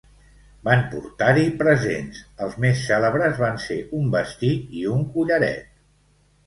Van portar-hi presents, els més cèlebres van ser un vestit i un collaret.